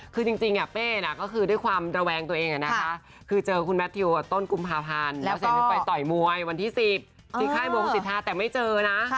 คือจริงเป้ก็คือด้วยความระแวงตัวเองนะคะคือเจอคุณแมททิวต้นกุมภาพันธ์แล้วเสร็จนึงไปต่อยมวยวันที่๑๐ที่ค่ายวงสิทธาแต่ไม่เจอนะ